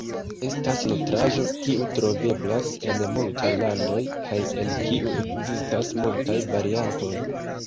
Estas nutraĵo kiu troveblas en multaj landoj, kaj el kiu ekzistas multaj variantoj.